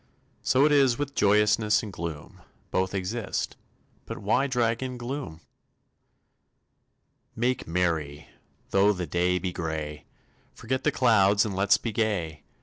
So it is with Joyousness and Gloom. Both exist, but why drag in Gloom? Make merry! Though the day be gray Forget the clouds and let's be gay!